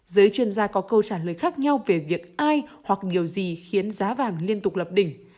giới chuyên gia có câu trả lời khác nhau về việc ai hoặc nhiều gì khiến giá vàng liên tục lập đỉnh